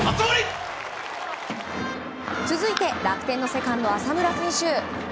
続いて楽天のセカンド浅村選手。